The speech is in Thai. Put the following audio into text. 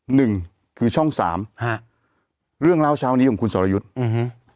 หนึ่งคือช่องสามฮะเรื่องเล่าเช้านี้ของคุณสรยุทธ์อืม